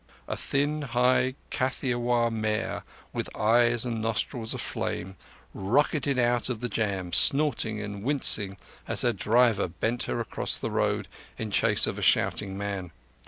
A thin, high Kathiawar mare, with eyes and nostrils aflame, rocketed out of the jam, snorting and wincing as her rider bent her across the road in chase of a shouting man.